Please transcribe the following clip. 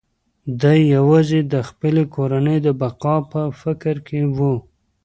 دی یوازې د خپلې کورنۍ د بقا په فکر کې و.